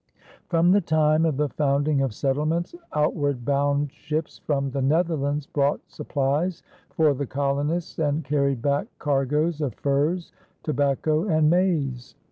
From the time of the founding of settlements, outward bound ships from the Netherlands brought supplies for the colonists and carried back cargoes of furs, tobacco, and maize.